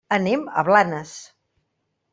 Anem a Blanes.